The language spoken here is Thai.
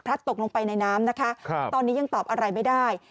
ตกลงไปในน้ำนะคะตอนนี้ยังตอบอะไรไม่ได้